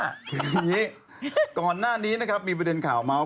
อย่างนี้ก่อนหน้านี้นะครับมีประเด็นข่าวเมาส์